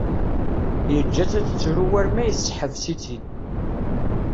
Yeǧǧa-tt ad tettru war ma yesseḥbes-itt-id.